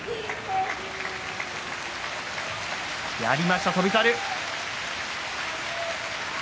やりました、翔猿。